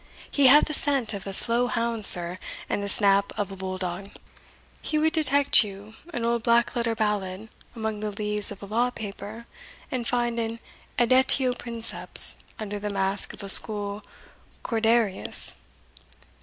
He had the scent of a slow hound, sir, and the snap of a bull dog. He would detect you an old black letter ballad among the leaves of a law paper, and find an editio princeps under the mask of a school Corderius.